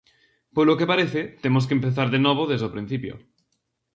Polo que parece, temos que empezar de novo desde o principio.